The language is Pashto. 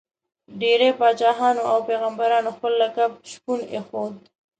ډېری پاچاهانو او پيغمبرانو خپل لقب شپون ایښود.